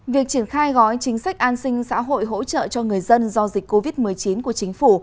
việc triển khai gói chính sách an sinh xã hội hỗ trợ cho người dân do dịch covid một mươi chín của chính phủ